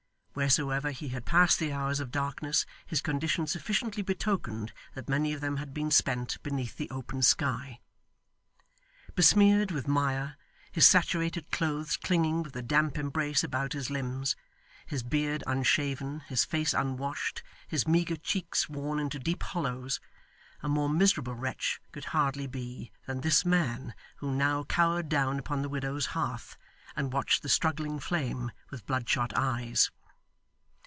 Wheresoever he had passed the hours of darkness, his condition sufficiently betokened that many of them had been spent beneath the open sky. Besmeared with mire; his saturated clothes clinging with a damp embrace about his limbs; his beard unshaven, his face unwashed, his meagre cheeks worn into deep hollows, a more miserable wretch could hardly be, than this man who now cowered down upon the widow's hearth, and watched the struggling flame with bloodshot eyes.